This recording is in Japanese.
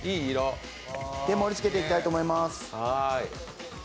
盛りつけていきたいと思います。